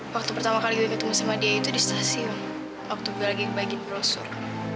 waktu pertama kali ketemu sama dia itu di stasiun waktu gue lagi bagian brosur